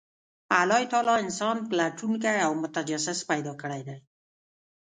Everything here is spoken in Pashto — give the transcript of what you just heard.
الله تعالی انسان پلټونکی او متجسس پیدا کړی دی،